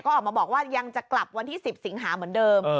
ก็ออกมาบอกว่ายังจะกลับวันที่๑๐สิงหาเหมือนเดิม